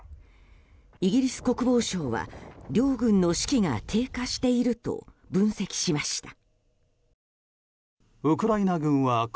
イギリス国防省は両軍の士気が低下していると分析しました。